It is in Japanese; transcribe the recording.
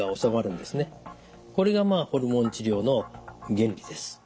これがホルモン治療の原理です。